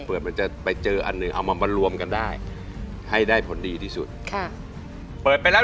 มันจะไปเจออันหนึ่งเอามามารวมกันได้ให้ได้ผลดีที่สุดค่ะเปิดไปแล้ว